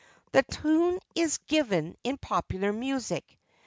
The tune is given in Popular Music.